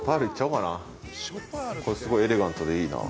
これエレガントでいいな。